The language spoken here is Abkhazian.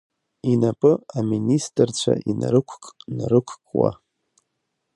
Инапы аминистырцәа инарықәк-нарықәкуа.